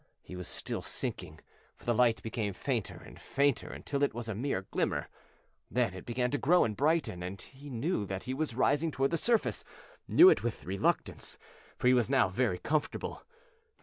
He was still sinking, for the light became fainter and fainter until it was a mere glimmer. Then it began to grow and brighten, and he knew that he was rising toward the surface knew it with reluctance, for he was now very comfortable.